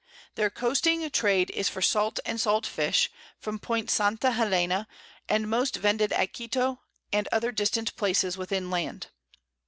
Their coasting Trade is for Salt and Salt Fish, from Point Santa Helena, and most vended at Quito and other distant Places within Land.